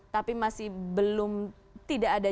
tapi masih belum tidak ada